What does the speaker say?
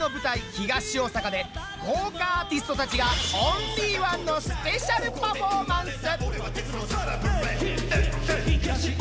東大阪で豪華アーティストたちがオンリーワンのスペシャルパフォーマンス。